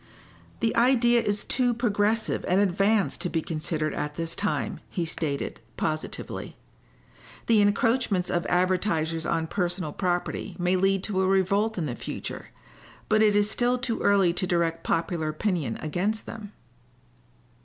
"The idea is too progressive and advanced to be considered at this time," he stated, positively. "The encroachments of advertisers on personal property may lead to a revolt in the future, but it is still too early to direct popular opinion against them."